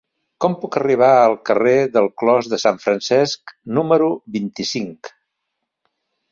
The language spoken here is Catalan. Com puc arribar al carrer del Clos de Sant Francesc número vint-i-cinc?